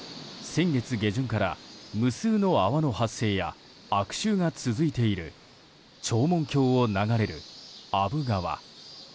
先月下旬から無数の泡の発生や悪臭が続いている長門峡を流れる阿武川。